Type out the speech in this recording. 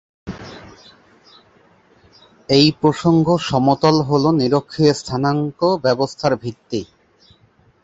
এই প্রসঙ্গ সমতল হল নিরক্ষীয় স্থানাঙ্ক ব্যবস্থার ভিত্তি।